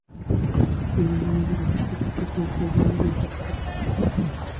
যদি আমরা নিজেরা খাঁটি থাকি, তবে প্রভুও আমাদিগকে শত শত বন্ধু প্রেরণ করিবেন।